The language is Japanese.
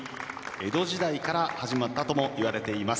江戸時代から始まったともいわれています。